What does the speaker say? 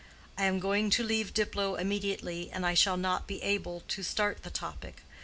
I am going to leave Diplow immediately, and I shall not be able to start the topic.